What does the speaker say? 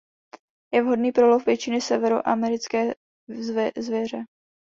Je vhodný pro lov většiny severoamerické zvěře.